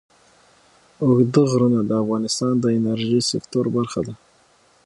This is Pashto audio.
اوږده غرونه د افغانستان د انرژۍ سکتور برخه ده.